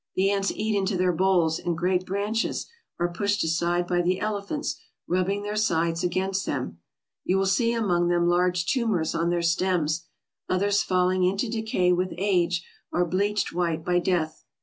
The ants eat into their boles, and great branches are pushed aside by the elephants rubbing their sides against them. You will see among them large tumors on their stems. Others falling into decay with age are bleached white by death.